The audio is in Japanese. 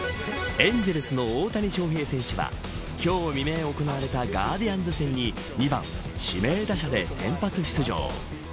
エンゼルスの大谷翔平選手は今日未明行われたガーディアンズ戦に２番指名打者で先発出場。